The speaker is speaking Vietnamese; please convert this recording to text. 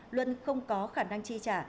luân không có khả năng tri trả